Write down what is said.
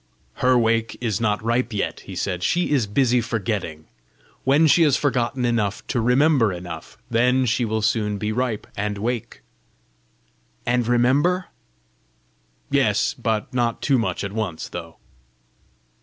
"Her wake is not ripe yet," he said: "she is busy forgetting. When she has forgotten enough to remember enough, then she will soon be ripe, and wake." "And remember?" "Yes but not too much at once though."